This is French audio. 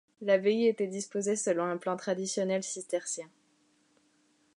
L'abbaye était disposée selon un plan traditionnel cistercien.